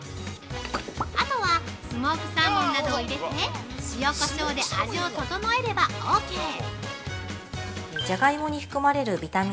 あとは、スモークサーモンなどを入れて塩・こしょうで味を調えればオーケー。